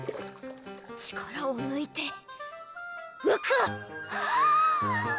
力をぬいてうく！